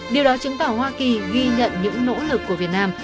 điều đó chứng tỏ hoa kỳ ghi nhận những nỗ lực của việt nam